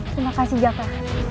terima kasih jaka